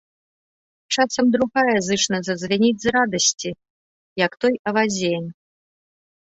Часам другая зычна зазвініць з радасці, як той авадзень.